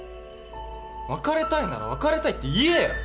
別れたいなら別れたいって言えよ！